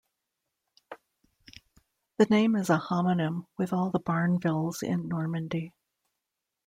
The name is a homonym with all the Barnevilles in Normandy.